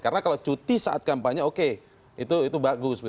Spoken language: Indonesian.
karena kalau cuti saat kampanye oke itu bagus